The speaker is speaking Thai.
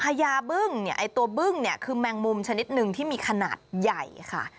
พญาบึ้งตัวบึ้งคือแมงมุมชนิดหนึ่งที่มีขนาดใหญ่ค่ะ